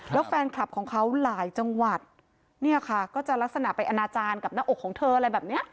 แล้วแฟนคลับของเขาหลายจังหวัดเนี่ยค่ะก็จะลักษณะไปอนาจารย์กับหน้าอกของเธออะไรแบบเนี้ย